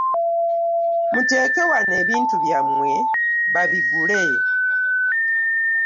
Muteeke wano ebintu byammwe babigule.